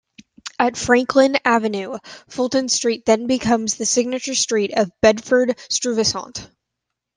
At Franklin Avenue, Fulton Street then becomes the signature street of Bedford-Stuyvesant.